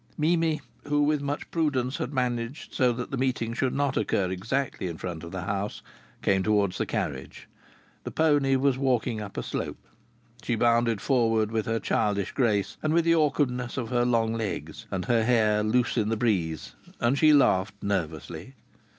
Mimi, who with much prudence had managed so that the meeting should not occur exactly in front of the house, came towards the carriage. The pony was walking up a slope. She bounded forward with her childish grace and with the awkwardness of her long legs, and her hair loose in the breeze, and she laughed nervously.